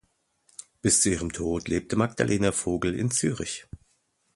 Bis zu ihrem Tod lebte Magdalena Vogel in Zürich.